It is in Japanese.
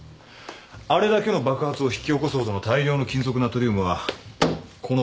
あれだけの爆発を引き起こすほどの大量の金属ナトリウムはこのボートには乗りきらない。